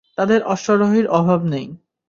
তাদের অশ্বারোহীর অভাব নেই।